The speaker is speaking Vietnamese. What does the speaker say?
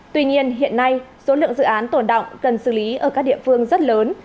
tuy nhiên hiện nay số lượng dự án tổn động cần xử lý ở các địa phương rất lớn